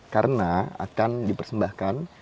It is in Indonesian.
karena akan dipersembahkan